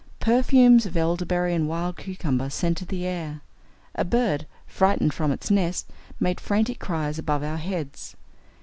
Perfumes of elderberry and wild cucumber scented the air. A bird, frightened from its nest, made frantic cries above our heads.